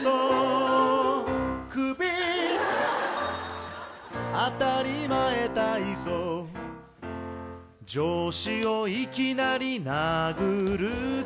「クビ」「あたりまえ体操」「上司をいきなり殴ると」